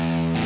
udah f lead